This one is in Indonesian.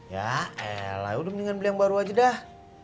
yaelah mendingan beli yang baru aja dah